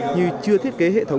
như chưa thiết kế hệ thống